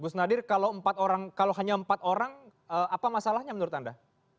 gus nadir kalau hanya empat orang apa masalahnya menurut anda